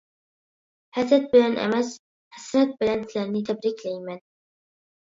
ھەسەت بىلەن ئەمەس، ھەسرەت بىلەن سىلەرنى تەبرىكلەيمەن!